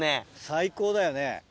最高だよね。